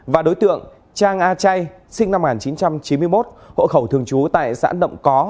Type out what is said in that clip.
và đối tượng trang a chay sinh năm một nghìn chín trăm chín mươi một hộ khẩu thường trú tại xã nậm có